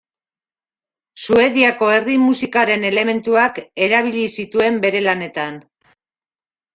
Suediako herri musikaren elementuak erabili zituen bere lanetan.